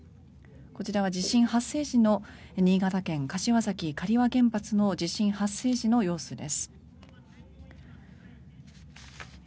こちらは地震発生時の新潟県柏崎市柏崎刈羽原発の地震発生時の様子です。